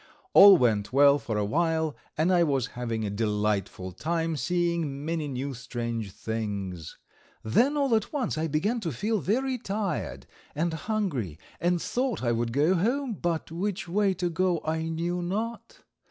All went well for awhile, and I was having a delightful time, seeing many new strange things. Then all at once I began to feel very tired and hungry, and thought I would go home, but which way to go I knew not.